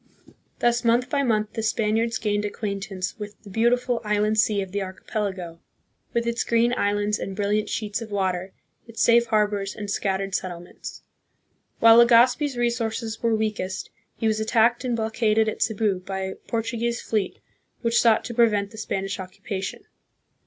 Thus month by month the Spaniards gained acquaint ance with the beautiful island sea of the archipelago, with its green islands and brilliant sheets of water, its safe harbors and scattered settlements. While Legazpi's resources were weakest, he was attacked and blockaded at Cebu by a Portuguese fleet which sought to prevent the Spanish occupation.